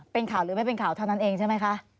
เป็นข่าวหรือไม่เป็นข่าวเท่านั้นเองใช่ไหมคะ